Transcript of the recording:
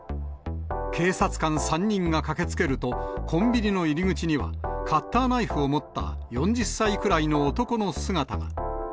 警察官３人が駆けつけると、コンビニの入り口には、カッターナイフを持った４０歳くらいの男の姿が。